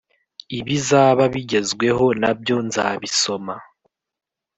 ibizaba bigezweho nabyo nzabisoma